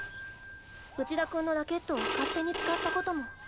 内田君のラケットを勝手に使ったことも。